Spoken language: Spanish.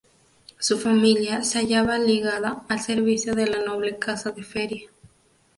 Su familia se hallaba ligada al servicio de la noble casa de Feria.